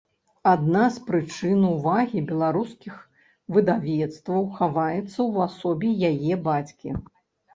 Адна з прычын увагі беларускіх выдавецтваў хаваецца ў асобе яе бацькі.